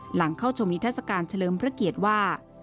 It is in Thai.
หลังเข้าชมนิทัศกาลเฉลิมพระเกียรติว่า